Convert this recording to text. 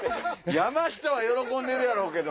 山下は喜んでるやろうけど。